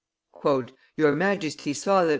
"Your Majesty saw that M.